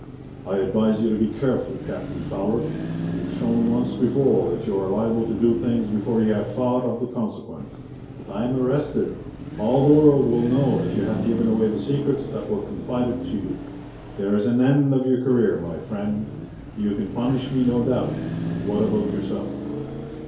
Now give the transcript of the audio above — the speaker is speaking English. I advise you to be careful, Captain Fowler. You've shown once before that you are liable to do things before you have thought of the consequence. If I am arrested all the world will know that you have given away the secrets that were confided to you. There is an end of your career, my friend. You can punish me, no doubt. What about yourself?"